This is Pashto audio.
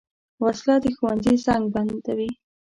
وسله د ښوونځي زنګ بندوي